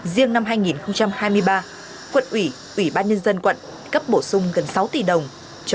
riêng năm hai nghìn hai mươi ba quận ủy ủy ban nhân dân quận cấp bổ sung gần sáu tỷ đồng